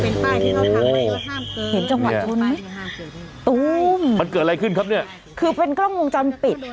น่าจะเป็นป้ายที่เขาพังไว้ว่าห้ามเกินมันเกิดอะไรขึ้นครับเนี่ยคือเป็นกล้องมุมจรปิด